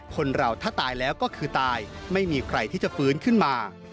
คนเราถ้าตายแล้วก็คือตายไม่มีใครที่จะฟื้นขึ้นมา